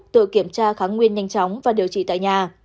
tự kiểm tra kháng nguyên nhanh chóng và điều trị tại nhà